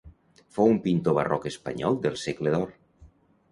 Fou un pintor barroc espanyol del Segle d'Or.